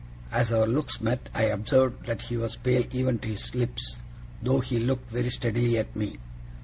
As our looks met, I observed that he was pale even to his lips, though he looked very steadily at me.